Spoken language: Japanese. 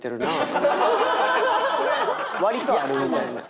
「割とある」みたいな。